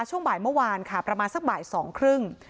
ช่วงบ่ายเมื่อวานค่ะประมาณสักบ่ายสองครึ่ง